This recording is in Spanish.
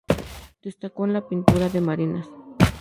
Destacó en la pintura de marinas.